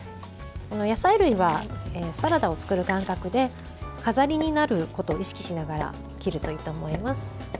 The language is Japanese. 野菜類はサラダを作る感覚で飾りになることを意識しながら切るといいと思います。